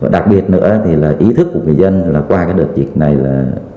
đặc biệt nữa thì là ý thức của người dân là qua cái đợt dịch này là